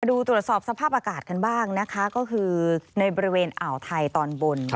ดูตรวจสอบสภาพอากาศกันบ้างนะคะก็คือในบริเวณอ่าวไทยตอนบน